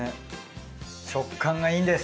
食感がいいんです